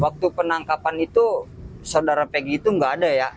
waktu penangkapan itu saudara pegi itu nggak ada ya